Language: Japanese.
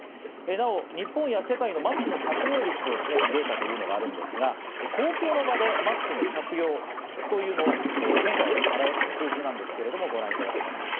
なお日本や世界でマスクの着用率を示すデータというのがあるんですが、公共の場でマスクの着用というのを変化を表した数字なんですけど、ご覧いただきます。